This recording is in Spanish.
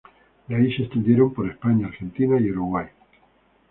De ahí se extendieron por España, Argentina y Uruguay.